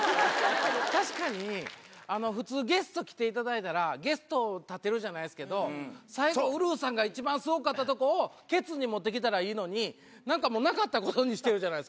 確かに普通ゲスト来ていただいたらゲストを立てるじゃないですけど最後ウルフさんが一番スゴかったとこをケツに持ってきたらいいのになんかもうなかったことにしてるじゃないですか。